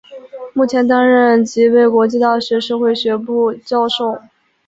目前担任吉备国际大学社会学部教授。